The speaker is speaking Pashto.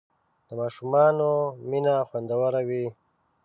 د ماشومانو مینه خوندور وي.